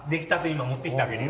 今持ってきてあげるよ。